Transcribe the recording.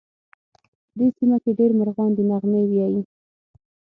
په دې سیمه کې ډېر مرغان دي نغمې وایې